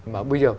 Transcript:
mà bây giờ